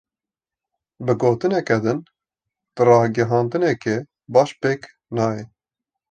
Bi gotineke din; dê ragihandineke baş pêk neyê.